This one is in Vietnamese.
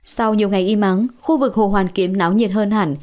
sau nhiều ngày im ắng khu vực hồ hoàn kiếm náo nhiệt hơn hẳn